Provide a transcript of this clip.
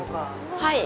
はい。